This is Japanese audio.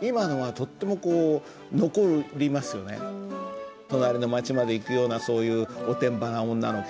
今のはとってもこう隣の町まで行くようなそういうおてんばな女の子。